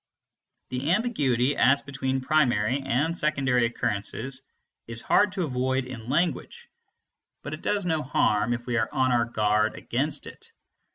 The ambiguity as between primary and secondary occurrences is hard to avoid in language; but it does no harm if we are on our guard against it.